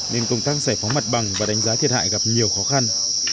nên công tác giải phóng mặt bằng và đánh giá thiệt hại gặp nhiều khó khăn